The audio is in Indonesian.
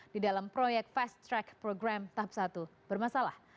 di dalam proyek fast track program tahap satu bermasalah